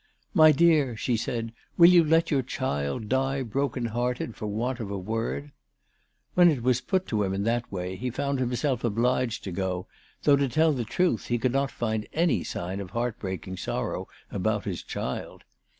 " My dear," she said, " will you let your child die broken hearted for want of a word ?" When it was put to him in that way he found himself obliged to go, though, to tell the truth, he could not find any sign of heart breaking sorrow about his child.